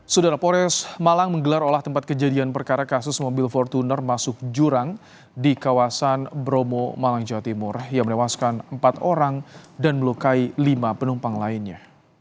saudara polres malang menggelar olah tempat kejadian perkara kasus mobil fortuner masuk jurang di kawasan bromo malang jawa timur yang menewaskan empat orang dan melukai lima penumpang lainnya